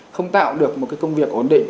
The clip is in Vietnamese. không tạo được một cái công việc ổn định